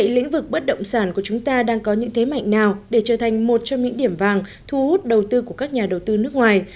lĩnh vực bất động sản của chúng ta đang có những thế mạnh nào để trở thành một trong những điểm vàng thu hút đầu tư của các nhà đầu tư nước ngoài